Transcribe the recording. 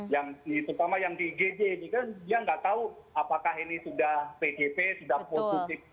yang terutama yang di igj ini kan dia nggak tahu apakah ini sudah pdp sudah positif